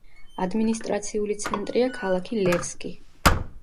ადმინისტრაციული ცენტრია ქალაქი ლევსკი.